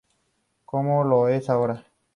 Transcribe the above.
Como lo es ahora.